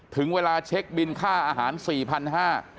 ถึงเวลาเช็คบินค่าอาหาร๔๕๐๐บาท